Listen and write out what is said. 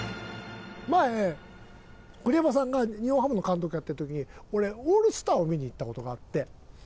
前栗山さんが日本ハムの監督やってる時に俺オールスターを見に行った事があって。